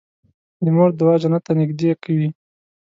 د مور دعا جنت ته نږدې کوي.